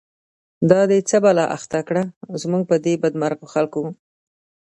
دا دی څه بلا اخته کړه، زمونږ په دی بد مرغوخلکو